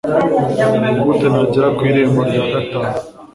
nigute nagera ku irembo rya gatanu